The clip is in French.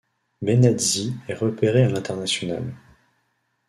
Benazzi est repéré à l’international.